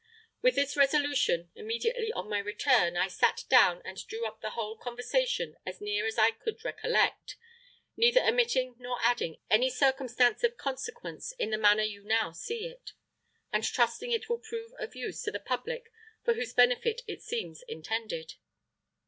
With this resolution, immediately on my return I sat down and drew up the whole conversation as near as I could recollect, neither omitting nor adding any circumstance of consequence in the manner you now see it, and trusting it will prove of use to the public for whose benefit it seems intended.